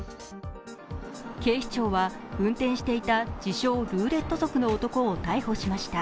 警視庁は運転していた自称ルーレット族の男を逮捕しました。